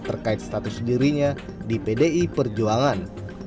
terkait status dirinya di pdi perjuangan